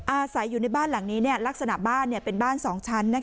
อาศัยอยู่ในบ้านหลังนี้เนี้ยลักษณะบ้านเนี้ยเป็นบ้านสองชั้นนะคะ